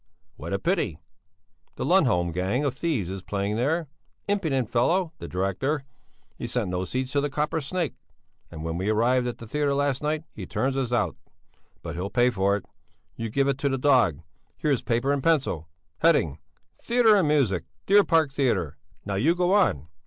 "What a pity! That Lundholm gang of thieves is playing there. Impudent fellow, the director! He sent no seats to the Copper Snake, and when we arrived at the theatre last night, he turned us out. But he'll pay for it! You give it to the dog! Here's paper and pencil. Heading: 'Theatre and Music. Deer Park Theatre.' Now, you go on!"